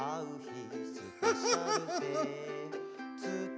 フフフフフ。